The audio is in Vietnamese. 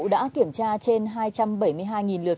đã kiểm tra trên hai trăm bảy mươi hai lượt